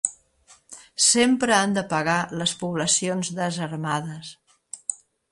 Sempre han de pagar les poblacions desarmades.